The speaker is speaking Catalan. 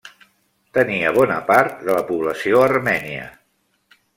Tenia bona part de la població armènia.